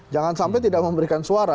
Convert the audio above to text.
jangan sampai tidak memberikan suara